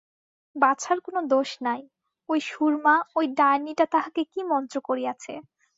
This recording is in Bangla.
বাছার কোনো দোষ নাই, ওই সুরমা ওই ডাইনীটা তাহাকে কী মন্ত্র করিয়াছে।